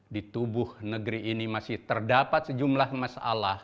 di tubuh negeri ini masih terdapat sejumlah masalah